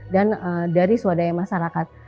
dan dari swadaya masyarakat